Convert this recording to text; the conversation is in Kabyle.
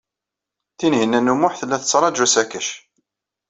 Tinhinan u Muḥ tella tettṛaju asakac.